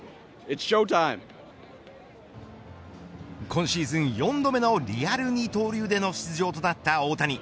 今シーズン４度目のリアル二刀流での出場となった大谷。